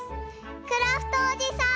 クラフトおじさん！